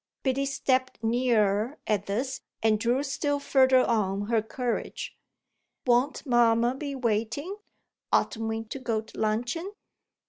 Biddy stepped nearer at this and drew still further on her courage. "Won't mamma be waiting? Oughtn't we to go to luncheon?"